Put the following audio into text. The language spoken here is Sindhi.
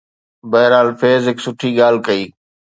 بهرحال، فيض هڪ سٺي ڳالهه ڪئي.